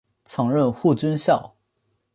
曾任护军校。